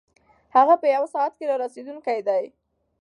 هغه په یوه ساعت کې رارسېدونکی دی.